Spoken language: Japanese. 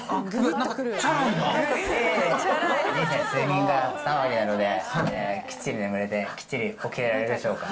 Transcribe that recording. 人生睡眠が３割なので、きっちり眠れて、きっちり起きられてるでしょうか。